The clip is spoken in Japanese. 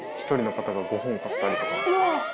１人の方が５本買ったりとか。